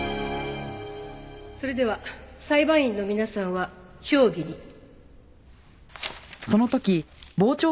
それでは裁判員の皆さんは評議に。